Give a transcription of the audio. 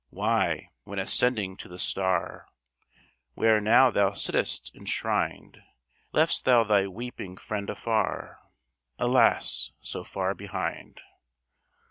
Why, when ascending to the star Where now thou sitt'st enshrined, Left'st thou thy weeping friend afar, Alas! so far behind?